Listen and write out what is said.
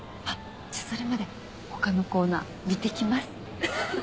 あっじゃあそれまで他のコーナー見てきます。